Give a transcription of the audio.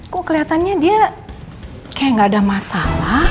kok keliatannya dia kayak nggak ada masalah